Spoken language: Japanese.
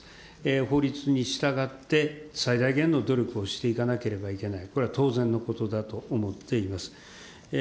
法律に従って、最大限の努力をしていかなければいけない、これは当然のことだと思っています。